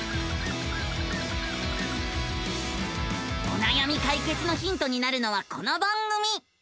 おなやみ解決のヒントになるのはこの番組。